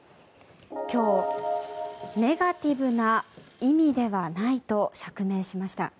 今日ネガティブな意味ではないと釈明しました。